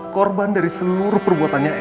korban dari seluruh perbuatannya elsa ma